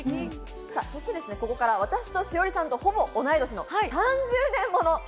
そしてですね、ここから、私と栞里さんとほぼ同い年の、３０年もの。